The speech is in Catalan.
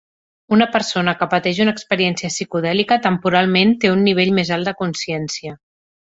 Una persona que pateix una experiència psicodèlica temporalment té un nivell més alt de consciència.